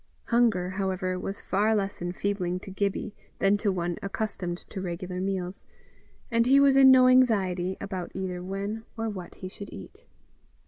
Hunger, however, was far less enfeebling to Gibbie than to one accustomed to regular meals, and he was in no anxiety about either when or what he should eat.